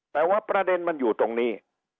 แต่ว่าประเด็นมันอยู่ตรงนี้